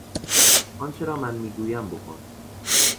آنچه را من میگویم بکن.